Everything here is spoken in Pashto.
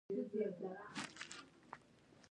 شوکي نخاع د ملا د تیر په وسیله ساتل کېږي.